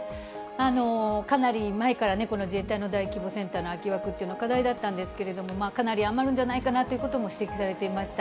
かなり前から、この自衛隊の大規模センターの空き枠というのは課題だったんですけれども、かなり余るんじゃないかなということも指摘されていました。